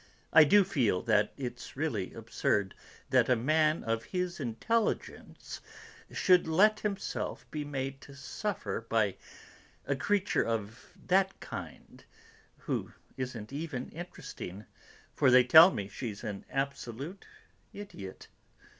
I do feel that it's really absurd that a man of his intelligence should let himself be made to suffer by a creature of that kind, who isn't even interesting, for they tell me, she's an absolute idiot!"